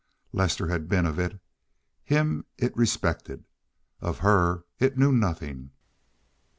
Lester had been of it. Him it respected. Of her it knew nothing.